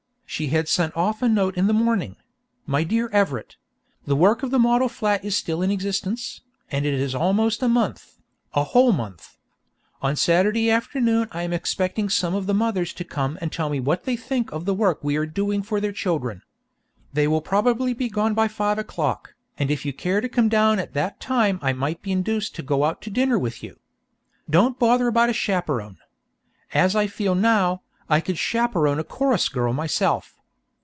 She had sent off a note in the morning: "MY DEAR EVERETT The work of the model flat is still in existence, and it is almost a month a whole month. On Saturday afternoon I am expecting some of the mothers to come and tell me what they think of the work we are doing for their children. They will probably be gone by five o'clock, and if you care to come down at that time I might be induced to go out to dinner with you. Don't bother about a chaperon. As I feel now, I could chaperon a chorus girl myself.